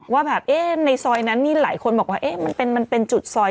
ว่าแบบในซอยนั้นนี่หลายคนบอกว่ามันเป็นจุดซอย